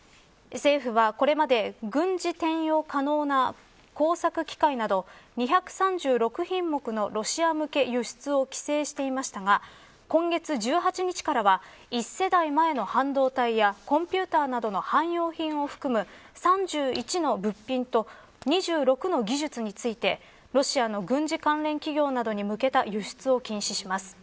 政府はこれまで軍事転用可能な工作機械など２３６品目のロシア向け輸出を規制していましたが今月１８日からは一世代前の半導体やコンピューターなどの汎用品を含む３１の物品と２６の技術についてロシアの軍事関連企業などへ向けた輸出を禁止します。